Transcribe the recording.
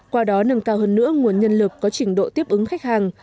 qua đó nâng cao hơn nữa nguồn nhân lực có trình độ tiếp ứng khách hàng